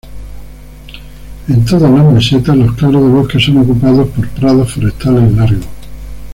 En todos las mesetas, los claros de bosque son ocupados por prados forestales largos.